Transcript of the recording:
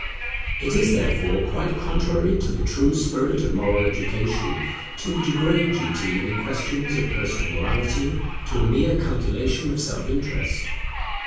It is therefore quite contrary to the true spirit of moral education to degrade duty in questions of personal morality to a mere calculation of self interest.